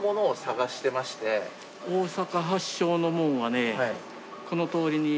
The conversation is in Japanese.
大阪発祥のもんはねこの通りに。